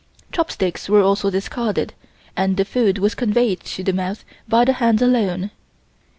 Chopsticks were also discarded and the food was conveyed to the mouth by the hands alone.